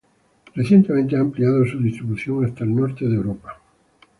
Recientemente ha ampliado su distribución hasta el norte de Europa.